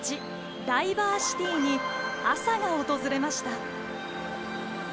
ダイバー・シティーに朝が訪れました。